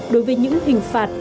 đối với những hình phạt